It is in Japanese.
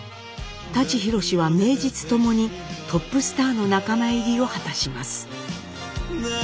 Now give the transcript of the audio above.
舘ひろしは名実ともにトップスターの仲間入りを果たします。